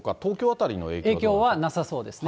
影響はなさそうですね。